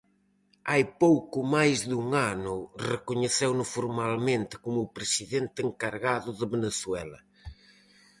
Hai pouco máis dun ano recoñeceuno formalmente como presidente encargado de Venezuela.